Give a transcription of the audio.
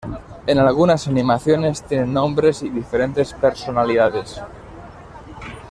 En algunas animaciones tienen nombres y diferentes personalidades.